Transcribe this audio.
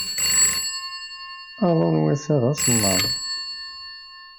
Aḍu n wass-a d asemmaḍ.